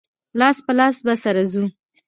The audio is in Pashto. لاس په لاس به سره ځو.